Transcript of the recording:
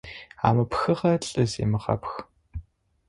Амыпхыгъэ лӏы земыгъэпх.